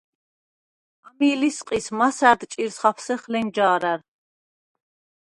ამი ლისყის მასა̈რდ ჭირს ხაფსეხ ლენჯა̄რა̈რ.